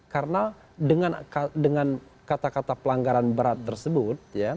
karena dengan kata kata pelanggaran berat tersebut